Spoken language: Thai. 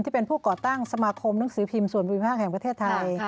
ผู้เป็นผู้ก่อตั้งสมาคมหนังสือพิมพ์ส่วนภูมิภาคแห่งประเทศไทย